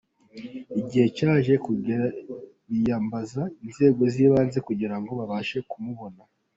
Igihe cyaje kugera biyambaza inzego z’ibanze kugira ngo babashe kumubona.